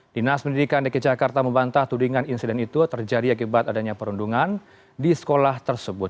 dinas pendidikan dki jakarta membantah tudingan insiden itu terjadi akibat adanya perundungan di sekolah tersebut